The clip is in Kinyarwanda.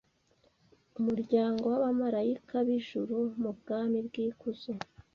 umuryango w’abamarayika b’ijuru mu bwami bw’ikuzo…